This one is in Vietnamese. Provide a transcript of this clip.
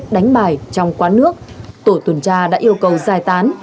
đánh bài trong quán nước tổ tuần tra đã yêu cầu giải tán